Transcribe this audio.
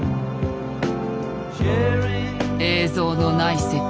映像のない世界。